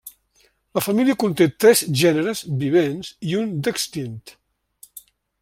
La família conté tres gèneres vivents i un d'extint.